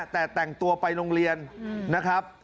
แต่แต่งตัวไปโรงเรียนนะครับ